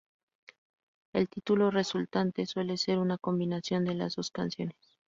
El título resultante suele ser una combinación de las dos canciones.